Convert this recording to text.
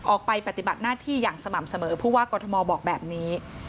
ปฏิบัติหน้าที่อย่างสม่ำเสมอผู้ว่ากรทมบอกแบบนี้